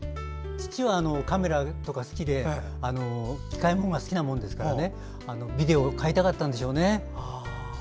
父は、カメラとか好きで機械が好きなものですからビデオ買いたかったんでしょうね。